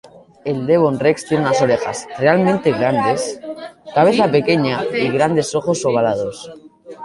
El devon rex tiene unas orejas realmente grandes, cabeza pequeña y grandes ojos ovalados.